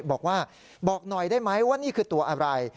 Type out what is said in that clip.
บอกว่าบอกหน่อยได้ไหมว่านี่คือตัวอะไร